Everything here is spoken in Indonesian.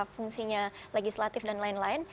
fungsinya legislatif dan lain lain